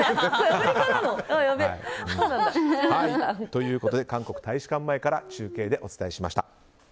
ということで韓国大使館前から中継でお伝えしました。